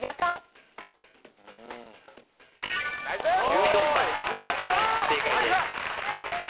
１４番やかん正解です